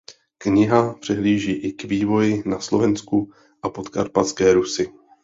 Kniha přihlíží i k vývoji na Slovensku a Podkarpatské Rusi.